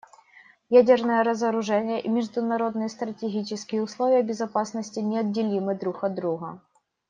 Ядерное разоружение и международные стратегические условия безопасности неотделимы друг от друга.